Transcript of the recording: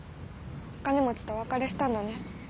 お金持ちとお別れしたんだね。